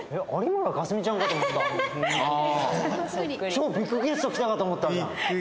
超ビッグゲスト来たかと思ったじゃん。